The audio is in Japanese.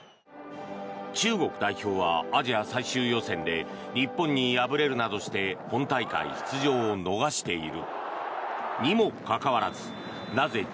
中国代表はアジア最終予選で日本に敗れるなどして本大会出場を逃している。